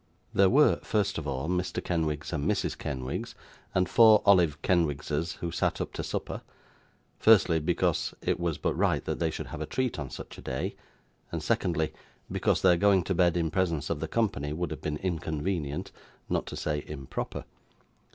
There were, first of all, Mr. Kenwigs and Mrs. Kenwigs, and four olive Kenwigses who sat up to supper; firstly, because it was but right that they should have a treat on such a day; and secondly, because their going to bed, in presence of the company, would have been inconvenient, not to say improper.